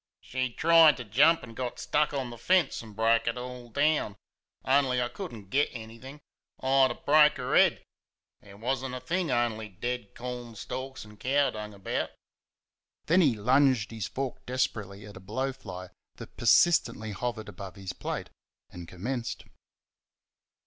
"She tried to jump and got stuck on the fence, and broke it all down. On'y I could n't get anything, I'd er broke 'er head there was n't a thing, on'y dead cornstalks and cow dung about." Then he lunged his fork desperately at a blowfly that persistently hovered about his plate, and commenced.